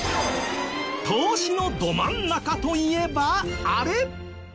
投資のど真ん中といえばあれ！